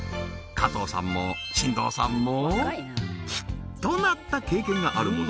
加藤さんも進藤さんもきっとなった経験があるもの